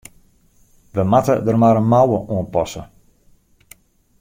We moatte der mar in mouwe oan passe.